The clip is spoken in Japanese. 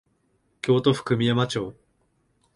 京都府久御山町